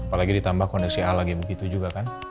apalagi ditambah kondisi a lagi begitu juga kan